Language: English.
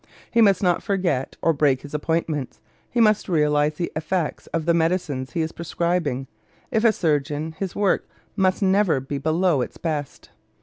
He must not forget or break his appointments; he must realize the effects of the medicines he is prescribing; if a surgeon, his work must never be below its best.